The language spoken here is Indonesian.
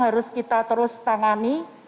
harus kita terus tangani